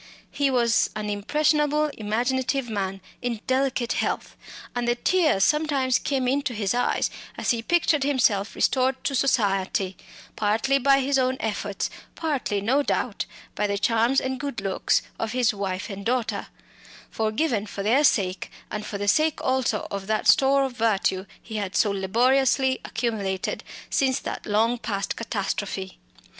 He was an impressionable imaginative man in delicate health; and the tears sometimes came into his eyes as he pictured himself restored to society partly by his own efforts, partly, no doubt, by the charms and good looks of his wife and daughter forgiven for their sake, and for the sake also of that store of virtue he had so laboriously accumulated since that long past catastrophe.